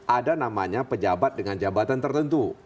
ada namanya pejabat dengan jabatan tertentu